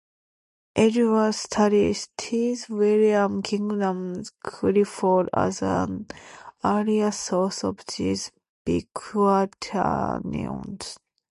Eduard Study cites William Kingdon Clifford as an earlier source on these biquaternions.